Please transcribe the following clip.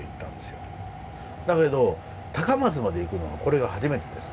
だけど高松まで行くのはこれが初めてです。